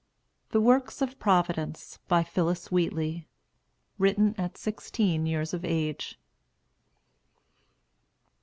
THE WORKS OF PROVIDENCE. BY PHILLIS WHEATLEY. [Written at sixteen years of age.